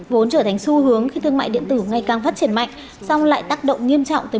vốn trở thành xu hướng khi thương mại điện tử ngày càng phát triển mạnh